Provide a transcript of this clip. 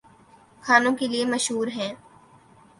کھانوں کے لیے مشہور ہیں